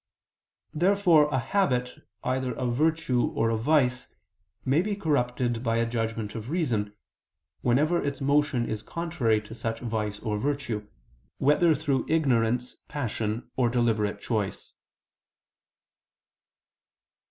Therefore a habit either of virtue or of vice, may be corrupted by a judgment of reason, whenever its motion is contrary to such vice or virtue, whether through ignorance, passion or deliberate choice.